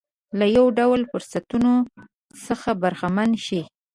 له یو ډول فرصتونو څخه برخمن شي.